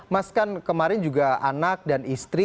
mas kan kemarin juga anak dan istri